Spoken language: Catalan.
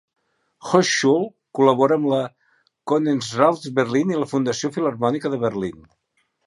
Hochschule col·labora amb la Konzerthaus Berlin i la Fundació Filharmònica de Berlín.